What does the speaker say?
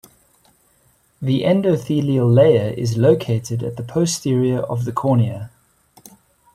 The endothelial layer is located at the posterior of the cornea.